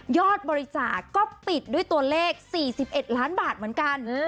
บริจาคก็ปิดด้วยตัวเลข๔๑ล้านบาทเหมือนกัน